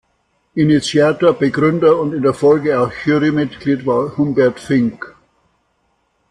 Initiator, Begründer und in der Folge auch Jurymitglied war Humbert Fink.